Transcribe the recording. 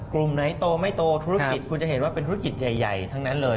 กลุ่มไหนโตไม่โตธุรกิจคุณจะเห็นว่าเป็นธุรกิจใหญ่ทั้งนั้นเลย